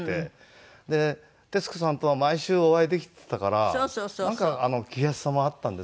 で徹子さんとは毎週お会いできてたからなんか気安さもあったんでしょうけど。